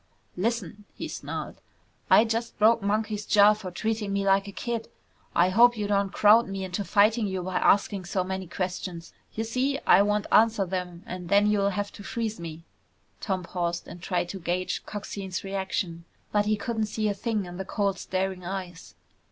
"Listen," he snarled, "I just broke Monkey's jaw for treating me like a kid. I hope you don't crowd me into fighting you by asking so many questions. Y'see I won't answer them and then you'll have to freeze me." Tom paused and tried to gauge Coxine's reaction. But he couldn't see a thing in the cold staring eyes.